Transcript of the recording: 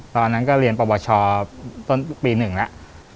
ตอนนั้นก็เรียนประวัติศาสตร์ต้นปี๑แล้ว